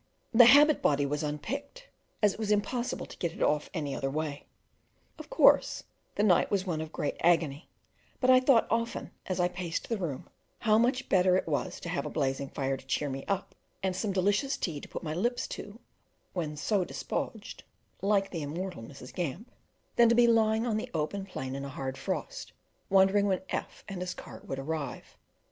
The habit body was unpicked, as it was impossible to get it off any other way. Of course, the night was one of great agony; but I thought often, as I paced the room, how much better it was to have a blazing fire to cheer me up, and some delicious tea to put my lips to "when so dispoged" (like the immortal Mrs. Gamp), than to be lying on the open plain in a hard frost, wondering when F and his cart would arrive.